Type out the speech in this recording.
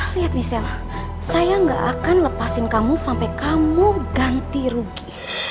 lihat misalnya saya gak akan lepasin kamu sampai kamu ganti rugi